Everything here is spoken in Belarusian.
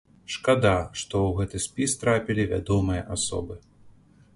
Шкада, што ў гэты спіс трапілі вядомыя асобы.